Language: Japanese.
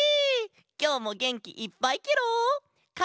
きょうもげんきいっぱいケロ！